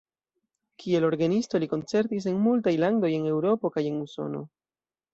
Kiel orgenisto li koncertis en multaj landoj en Eŭropo kaj en Usono.